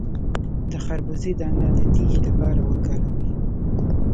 د خربوزې دانه د تیږې لپاره وکاروئ